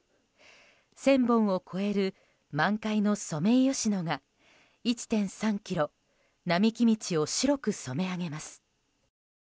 １０００本を超える満開のソメイヨシノが１．３ｋｍ、並木道を白く染め上げます。